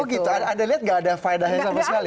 oh gitu anda lihat enggak ada faydahnya sama sekali